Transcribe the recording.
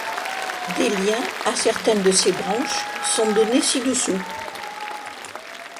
Des liens à certaines de ces branches sont donnés ci-dessous.